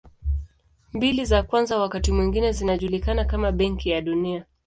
Mbili za kwanza wakati mwingine zinajulikana kama Benki ya Dunia.